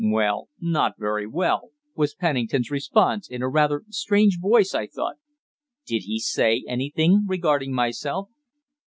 "Well not very well," was Pennington's response in a rather strange voice, I thought. "Did he say anything regarding myself?"